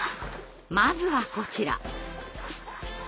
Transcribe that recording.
まずはこちら。